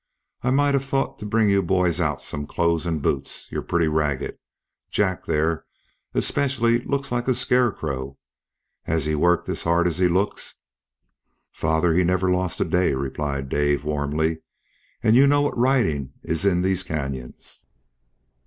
I might have thought to bring you boys out some clothes and boots. You're pretty ragged. Jack there, especially, looks like a scarecrow. Has he worked as hard as he looks?" "Father, he never lost a day," replied Dave, warmly, "and you know what riding is in these canyons."